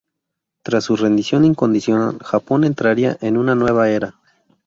Tras su rendición incondicional, Japón entraría en una nueva era.